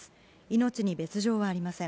命に別状はありません。